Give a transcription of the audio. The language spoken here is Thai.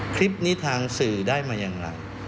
คลิปนี้ทางสื่อได้มาอย่างไร